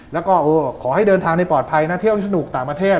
แล้วก็ขอให้เดินทางในปลอดภัยนะเที่ยวสนุกต่างประเทศ